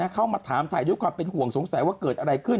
เข้ามาถามถ่ายด้วยความเป็นห่วงสงสัยว่าเกิดอะไรขึ้น